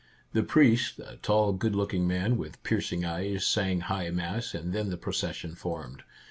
The priest, a tall, good looking man with piercing eyes, sang high mass, and then the procession formed.